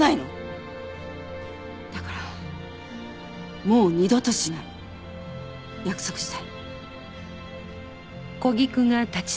だからもう二度としない約束して。